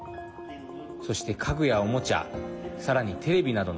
そして、家具やおもちゃさらにテレビなどの